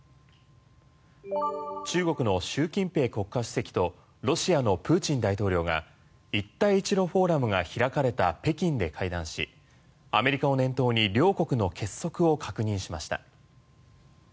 中国の習近平国家主席とロシアのプーチン大統領が一帯一路フォーラムが開かれた北京で会談し、アメリカを念頭に両国の結束を確認しました。